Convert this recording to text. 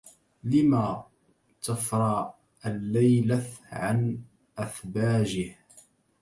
لما تفرى الليلث عن أثباجه